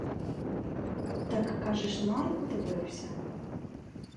Так, кажеш, на руку дивився?